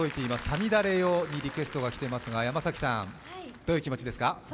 「五月雨よ」にリクエストが来ていますが、山崎さんどうい気持ちですか？